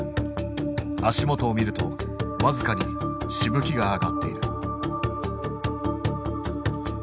足元を見ると僅かにしぶきが上がっている。